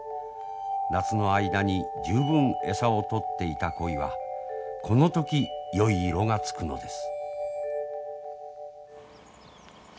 夏の間に十分餌をとっていた鯉はこの時よい色がつくのです。